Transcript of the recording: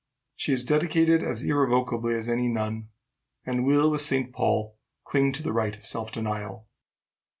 She is dedicated as irrevocably as any nun, and will, with St. Paul, cling to the right of self denial."